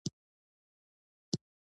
دوی لیري کول د هغه لپاره ناممکن وه.